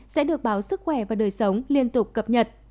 sẽ được báo sức khỏe và đời sống liên tục cập nhật